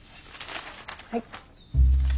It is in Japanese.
はい。